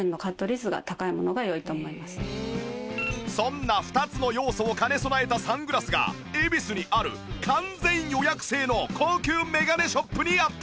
そんな２つの要素を兼ね備えたサングラスが恵比寿にある完全予約制の高級メガネショップにあった